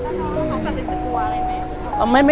แล้วคุณต้องขัดกันหรือจะกลัวอะไรไหมครับ